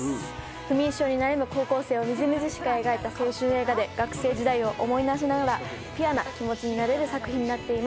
不眠症に悩む高校生をみずみずしく描いた青春映画で学生時代を思い出しながらピュアな気持ちになれる作品になっています。